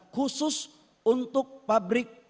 khusus untuk pabrik